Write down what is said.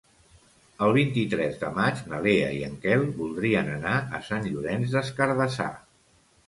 El vint-i-tres de maig na Lea i en Quel voldrien anar a Sant Llorenç des Cardassar.